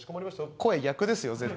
声逆ですよ絶対。